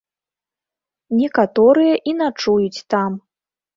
Некаторыя і начуюць там.